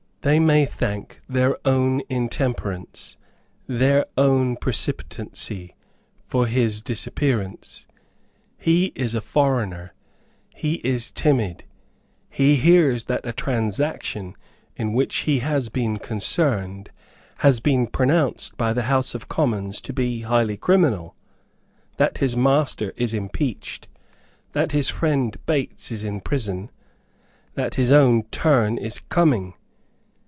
They may thank their own intemperance, their own precipitancy, for his disappearance. He is a foreigner; he is timid; he hears that a transaction in which he has been concerned has been pronounced by the House of Commons to be highly criminal, that his master is impeached, that his friend Bates is in prison, that his own turn is coming.